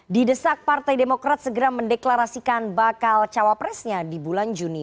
didesak partai demokrat segera mendeklarasikan bakal cawapresnya di bulan juni